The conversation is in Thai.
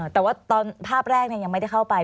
แต่ว่าตอนภาพแรกยังไม่ได้เข้าไป